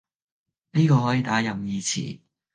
呢個可以打任意詞